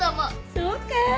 そうかい？